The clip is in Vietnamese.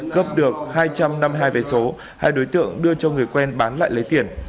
cấp được hai trăm năm mươi hai vé số hai đối tượng đưa cho người quen bán lại lấy tiền